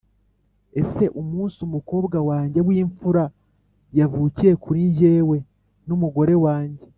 ese umunsi umukobwa wanjye w'imfura yavukiye kuri njyewe n'umugore wanjye